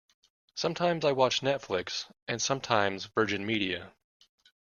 Sometimes I watch Netflix, and sometimes Virgin Media.